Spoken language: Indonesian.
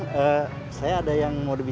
lupa selesai yang gue nyarain tuh